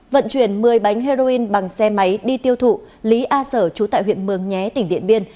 vận chuyển một mươi bánh heroin bằng xe máy đi tiêu thụ lý a sở trú tại huyện mường nhé tỉnh điện biên